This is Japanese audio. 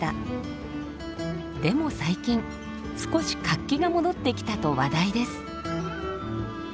でも最近少し活気が戻ってきたと話題です。